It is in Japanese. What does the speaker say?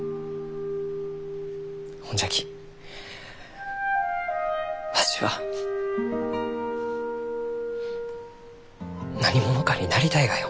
ほんじゃきわしは何者かになりたいがよ。